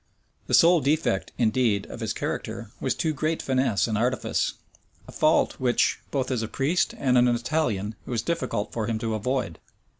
The sole defect, indeed, of his character was too great finesse and artifice; a fault which, both as a priest and an Italian, it was difficult for him to avoid.